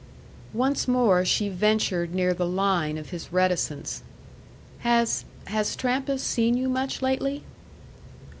Once more she ventured near the line of his reticence. "Has has Trampas seen you much lately?"